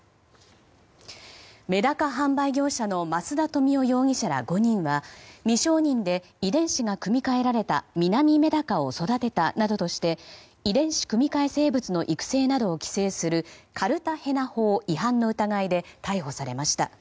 メダカ販売業者の増田富男容疑者ら５人は未承認で遺伝子が組み換えられたミナミメダカを育てたなどとして遺伝子組み換え生物の育成などを規制するカルタヘナ法違反の疑いで逮捕されました。